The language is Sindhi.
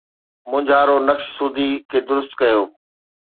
مونجهارو نقش سودي کي درست ڪيو